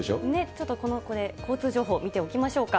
ちょっと交通情報、見ておきましょうか。